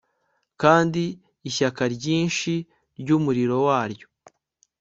Kandi ishyaka ryinshi ryumuriro waryo